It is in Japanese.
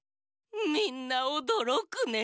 みんなおどろくね。